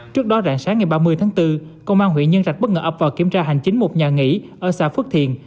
trước đó rạng sáng ngày ba mươi tháng bốn công an huyện nhân trạch bất ngờ ập vào kiểm tra hành chính một nhà nghỉ ở xã phước thiện